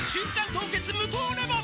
凍結無糖レモン」